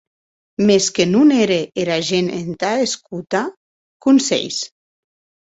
Mès que non ère era gent entà escotar conselhs!